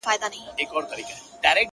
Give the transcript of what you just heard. په مټي چي وكړه ژړا پر ځـنـگانــه ـ